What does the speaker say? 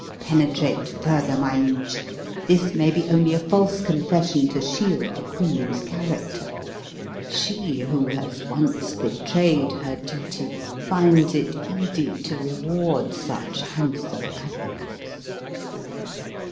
"Penetrate further, my liege; this may be only a false confession to shield the queen's character. She who has once betrayed her duty, finds it easy to reward such handsome advocates."